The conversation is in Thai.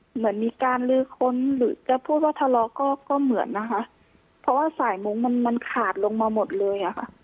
เหมือนมีการลื้อค้นหรือจะพูดว่าทะเลาะก็ก็เหมือนนะคะเพราะว่าสายมุ้งมันมันขาดลงมาหมดเลยอะค่ะ